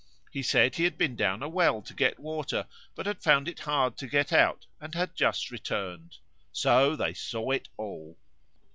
He said he had been down a well to get water, but had found it hard to get out and had just returned. So they saw it all.